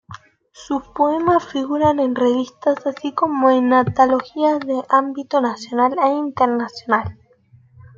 Sus poemas figuran en revistas así como en antologías de ámbito nacional e internacional.